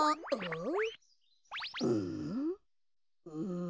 ん？